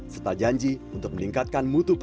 setelah janji untuk meningkatkan mutu perbankan